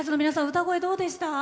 歌声どうでした？